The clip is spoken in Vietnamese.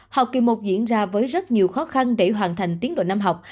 học kỳ một diễn ra với rất nhiều khó khăn để hoàn thành tiến độ năm học